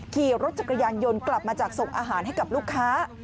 ขี่รถจักรยานยนต์กลับมาจากส่งอาหารให้กับลูกค้า